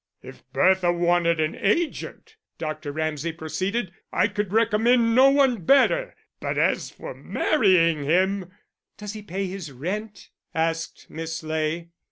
"If Bertha wanted an agent," Dr. Ramsay proceeded, "I could recommend no one better, but as for marrying him " "Does he pay his rent?" asked Miss Ley.